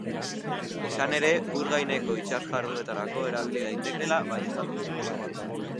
Izan ere, ur gaineko itsas-jardueretarako erabili daitekeela baieztatu du.